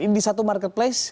ini di satu marketplace